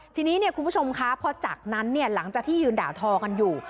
ทีนี้พอจากนั้นหลังจากยืนด่าทองั้นอยู่